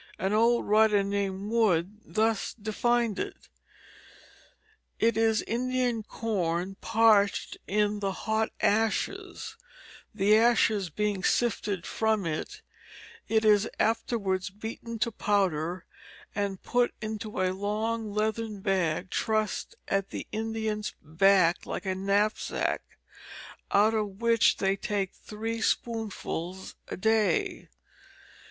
An old writer named Wood thus defined it: "It is Indian corn parched in the hot ashes, the ashes being sifted from it; it is afterwards beaten to powder and put into a long leatherne bag trussed at the Indian's backe like a knapsacke, out of which they take three spoonsful a day."